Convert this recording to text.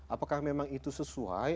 apakah memang itu sesuai